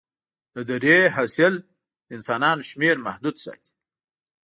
د درې حاصل د انسانانو شمېر محدود ساتي.